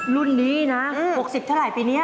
รุ่นนี้นะ๖๐เท่าไหร่ปีนี้